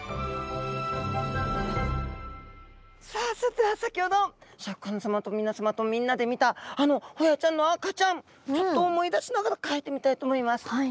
さあそれでは先ほどシャーク香音さまと皆さまとみんなで見たあのホヤちゃんの赤ちゃんちょっと思い出しながら描いてみたいと思います。